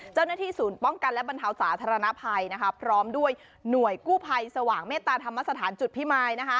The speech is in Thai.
เจ้าหน้าที่ศูนย์ป้องกันและบรรเทาสาธารณภัยพร้อมด้วยหน่วยกู้ภัยสว่างเมตตาธรรมสถานจุดพิมาย